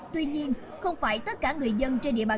tuy nhiên không phải tất cả người dân trên địa bàn